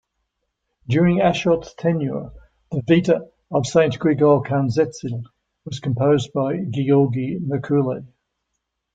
During Ashot's tenure, the "Vita of Saint Grigol Khandzteli" was composed by Giorgi Merchule.